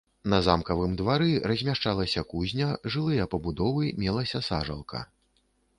На замкавым двары размяшчалася кузня, жылыя пабудовы, мелася сажалка.